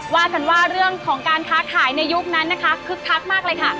ว่ากันว่าเรื่องของการค้าขายในยุคนั้นนะคะคึกคักมากเลยค่ะ